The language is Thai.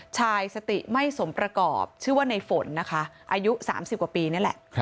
ชายสติไม่สมประกอบชื่อว่าในฝนนะคะอายุ๓๐กว่าปีนี่แหละ